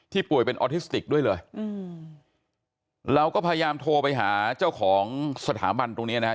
ป่วยเป็นออทิสติกด้วยเลยอืมเราก็พยายามโทรไปหาเจ้าของสถาบันตรงเนี้ยนะฮะ